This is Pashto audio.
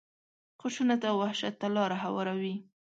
خشونت او وحشت ته لاره هواروي.